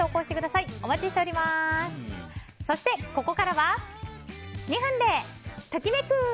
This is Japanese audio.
そして、ここからは２分でトキめく！